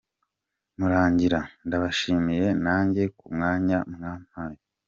Murangira : Ndabashimiye nanjye ku mwanya mwampaye.